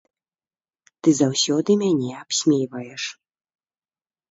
Ты заўсёды мяне абсмейваеш.